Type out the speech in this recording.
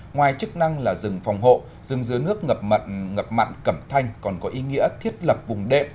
ngoài chức năng là rừng phòng hộ rừng dưa nước ngập mặn cẩm thanh còn có ý nghĩa thiết lập vùng đệm